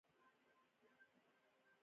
په دې کې اساسي قانون او مجمع القوانین دي.